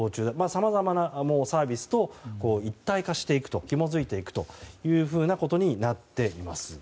さまざまなサービスと一体化していくとひもづいていくというふうなことになっています。